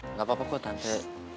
enggak apa apa kok tante